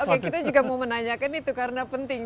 oke kita juga mau menanyakan itu karena penting